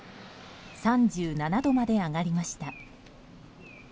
３７度まで上がりました。